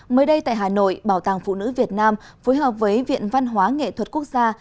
mới đây tại hà nội bảo tàng phụ nữ việt nam phối hợp với viện văn hóa nghệ thuật quốc gia